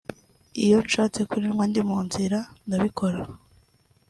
iyo nshatse kurinywa ndi mu nzira ndabikora